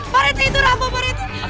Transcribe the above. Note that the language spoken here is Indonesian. pak rita itu rafa pak rita